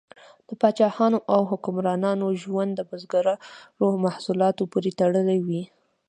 د پاچاهانو او حکمرانانو ژوند د بزګرو محصولاتو پورې تړلی و.